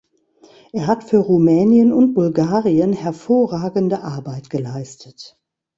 Er hat für Rumänien und Bulgarien hervorragende Arbeit geleistet.